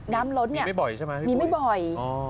น้ำล้นมีไม่บ่อย